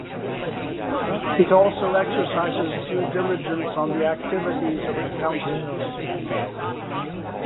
It also exercises due diligence on the activities of the councils.